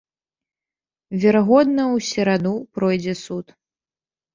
Верагодна ў сераду пройдзе суд.